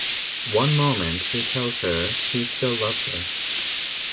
One moment he tells her he still loves her.